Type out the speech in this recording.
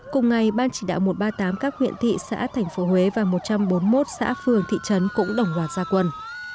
cùng ngày ban chỉ đạo một trăm ba mươi tám các huyện thị xã thành phố huế và một trăm bốn mươi một xã phường thị trấn cũng đồng loạt gia quân